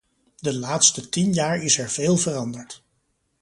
De laatste tien jaar is er veel veranderd.